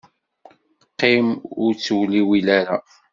Qqim, ur ttewliwil ara.